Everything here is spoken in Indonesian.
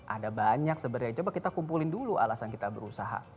ada banyak sebenarnya coba kita kumpulin dulu alasan kita berusaha